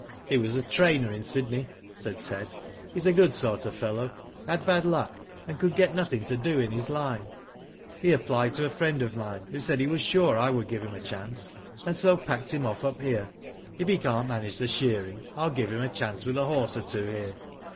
'*" He was a trainer in Sydney," said Ted. "He's a good sort of fellow. Had bad luck, and could get nothing to do in his line. He applied to a friend of mine, who said he was sure I would give him a chance, and so packed him off up here. If he can't manage the shearing, I'll give him a chance with a horse or two here."